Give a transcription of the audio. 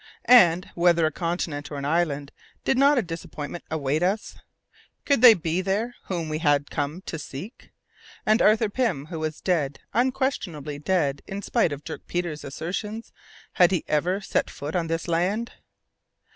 And, whether a continent or an island, did not a disappointment await us? Could they be there whom we had come to seek? And Arthur Pym, who was dead, unquestionably dead, in spite of Dirk Peters' assertions, had he ever set foot on this land?